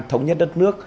thống nhất đất nước